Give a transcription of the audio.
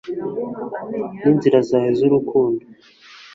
n'inzira zawe zose z'urukundo